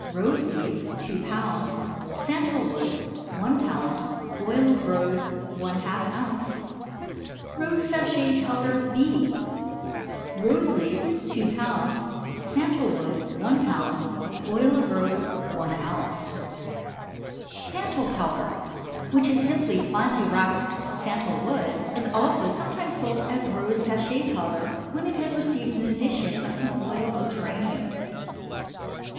Rose leaves 2 lb. Santal wood 1 lb. Oil of rose ½ oz. ROSE SACHET POWDER, B. Rose leaves 2 lb. Santal wood 1 lb. Oil of rose 1 oz. SANTAL POWDER, which is simply finely rasped santal wood, is also sometimes sold as rose sachet powder when it has received an addition of some oil of geranium.